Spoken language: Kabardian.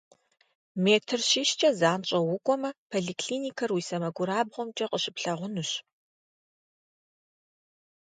Метр щищкӏэ занщӏэу укӏуэмэ, поликлиникэр уи сэмэгурабгъумкӏэ къыщыплъагъунущ.